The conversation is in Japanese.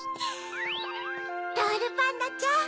ロールパンナちゃん。